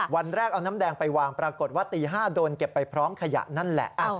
วันแรกเอาน้ำแดงไปวางปรากฏว่าตี๕โดนเก็บไปพร้อมขยะนั่นแหละ